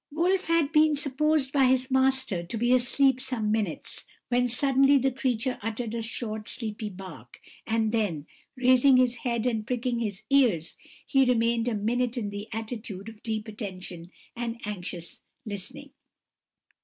"Wolf had been supposed by his master to be asleep some minutes, when suddenly the creature uttered a short sleepy bark, and then, raising his head and pricking his ears, he remained a minute in the attitude of deep attention and anxious listening.